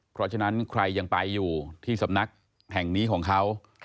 เพราะฉะนั้นใครยังไปอยู่ที่สำนักแห่งนี้ของเขา